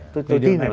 tôi tin là